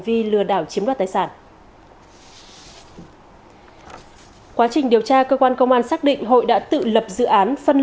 vi lừa đảo chiếm đoạt tài sản quá trình điều tra cơ quan công an xác định hội đã tự lập dự án phân